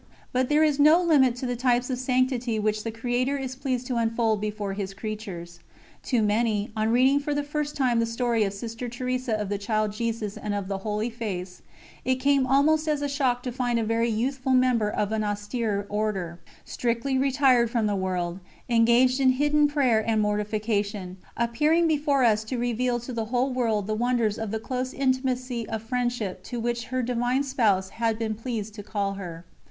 But there is no limit to the types of sanctity which the Creator is pleased to unfold before His Creatures. To many, on reading for the first time the story of Sister Teresa of the Child Jesus and of the Holy Face, it came almost as a shock to find a very youthful member of an austere Order, strictly retired from the world, engaged in hidden prayer and mortification, appearing before us to reveal to the whole world the wonders of the close intimacy of friendship to which her Divine Spouse had been pleased to call her.